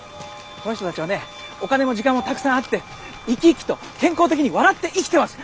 この人たちはねお金も時間もたくさんあって生き生きと健康的に笑って生きてます。